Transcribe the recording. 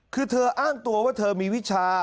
คือเธออ้างตัวว่าเธอมีวิชา